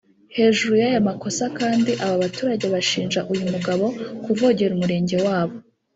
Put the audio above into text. Hejuru y’aya makosa kandi aba baturage bashinja uyu mugabo kuvogera umurenge wabo